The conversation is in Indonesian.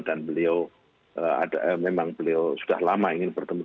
dan beliau memang beliau sudah lama ingin bertemu